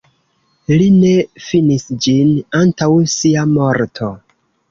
Li ne finis ĝin antaŭ sia morto.